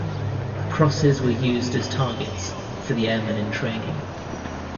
The crosses were used as targets for the airmen in training.